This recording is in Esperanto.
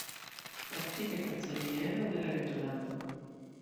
Praktike kanceliero de la reĝolando.